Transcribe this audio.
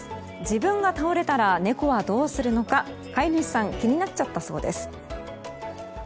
自分が倒れたら猫はどうするのか飼い主さん気になっちゃったそうです。